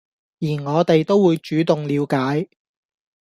而我哋都會主動了解